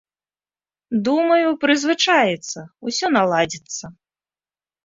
Думаю, прызвычаіцца, усё наладзіцца!